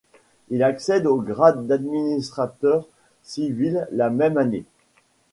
Il accède au grade d’administrateur civil la même année.